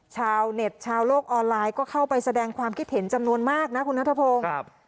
ชาวเน็ตชาวโลกออนไลน์ก็เข้าไปแสดงความคิดเห็นจำนวนมากนะคุณนัทพงศ์